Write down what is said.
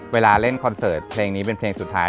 เวลาเล่นคอนเสิร์ตเพลงนี้เป็นเพลงสุดท้าย